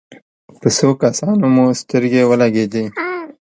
په څو کسانو مو سترګې ولګېدې.